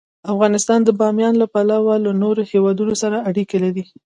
افغانستان د بامیان له پلوه له نورو هېوادونو سره اړیکې لري.